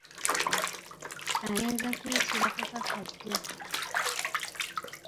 Ayinza kuyitibwa kakakajja.